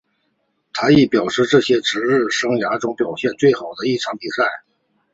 他亦表示这是职业生涯中表现最好的一场比赛。